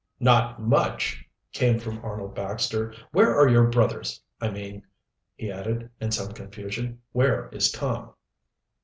"Not much!" came from Arnold Baxter. "Where are your brothers I mean," he added, in some confusion, "where is Tom?"